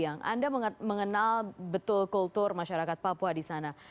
yang anda mengenal betul kultur masyarakat papua di sana